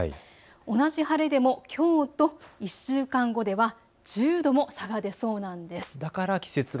同じ晴れでも、きょうと１週間後では１０度も差が出そうなんです。